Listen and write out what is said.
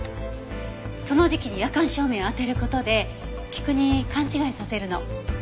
その時期に夜間照明を当てる事で菊に勘違いさせるの。